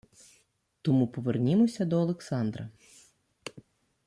Тому повернімося до Олександра